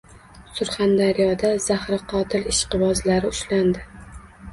Surxondaryoda zahri qotil “ishqibozlari” ushlandi